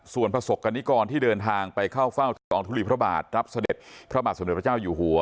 ส่วนประสบกรณิกรที่เดินทางไปเข้าเฝ้าทะตองทุลีพระบาทรับเสด็จพระบาทสมเด็จพระเจ้าอยู่หัว